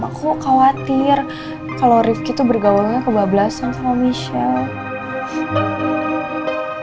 aku khawatir kalau rifki tuh bergaulnya kebablasan sama michelle